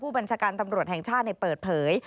บัญชาการตำรวจแห่งชาติเปิดเผย